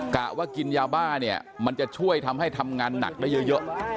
กะว่ากินยาบ้าเนี่ยมันจะช่วยทำให้ทำงานหนักได้เยอะ